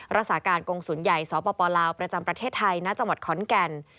รักษาการกงศูนย์ใหญ่สปลาวประจำประเทศไทยณจังหวัดขอนแก่น